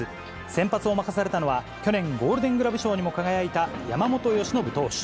先発を任されたのは、去年、ゴールデングラブ賞にも輝いた山本由伸投手。